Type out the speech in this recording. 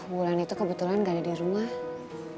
bulan itu kebetulan gak ada di rumah